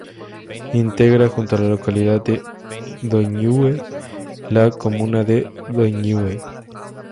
Integra, junto a la localidad de Doñihue, la comuna de Doñihue.